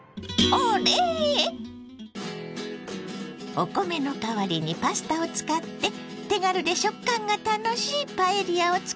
お米の代わりにパスタを使って手軽で食感が楽しいパエリアを作ります。